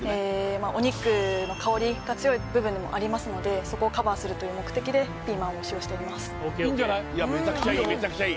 まあお肉の香りが強い部分もありますのでそこをカバーするという目的でピーマンを使用しております